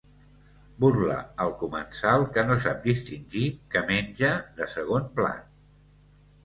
Burla al comensal que no sap distingir què menja de segon plat.